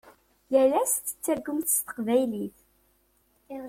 Yal ass tettargumt s teqbaylit.